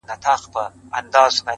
ښه نوم تر شتمنۍ ارزښتمن دی،